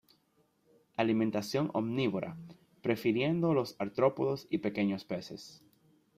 Alimentación omnívora prefiriendo los artrópodos y pequeños peces.